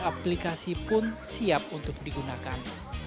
aplikasi pun siap untuk digunakan